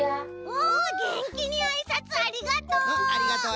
おげんきにあいさつありがとう！